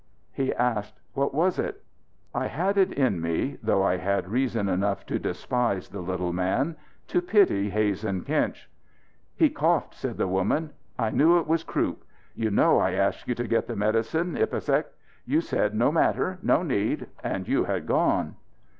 He asked "What was it?" I had it in me though I had reason enough to despise the little man to pity Hazen Kinch. "He coughed," said the woman. "I knew it was croup. You know I asked you to get the medicine ipecac. You said no matter no need and you had gone."